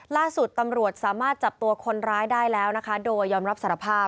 ล่าสุดตำรวจสามารถจับตัวคนร้ายได้แล้วนะคะโดยยอมรับสารภาพ